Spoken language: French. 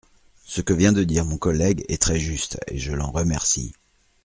Ce que vient de dire mon collègue est très juste, et je l’en remercie.